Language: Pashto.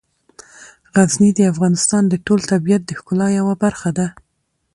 غزني د افغانستان د ټول طبیعت د ښکلا یوه برخه ده.